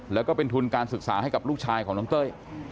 แล้วก็เป็นทุนการศึกษาให้กับลูกชายของน้องเต้ย